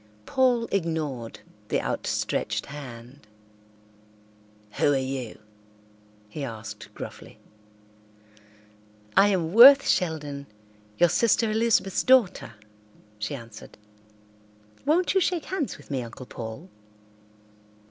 Paul ignored the outstretched hand. "Who are you?" he asked gruffly. "I am Worth Sheldon, your sister Elizabeth's daughter," she answered. "Won't you shake hands with me, Uncle Paul?"